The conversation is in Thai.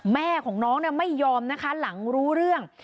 แม่ของน้องไม่ยอมนะคะหลังรู้เรื่อง